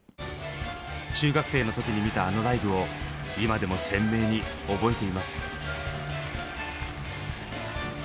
中学生の時に見たあのライブを今でも鮮明に覚えています。